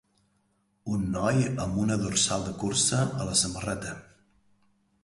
Un noi amb una dorsal de cursa a la samarreta.